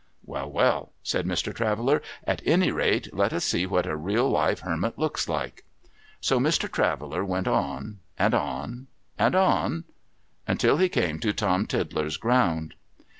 ' W^ell, well !' said Mr. Traveller. ' At any rate, let us see what a real live Hermit looks like.' So, Mr. Traveller went on, and on, and on, until he came to Tom Tiddler's ground.